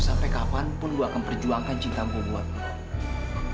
sampai kapanpun gue akan perjuangkan cintamu buat lo